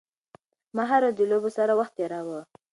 ما هره ورځ د لوبو سره وخت تېراوه.